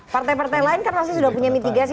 partai partai lain kan pasti sudah punya mitigasi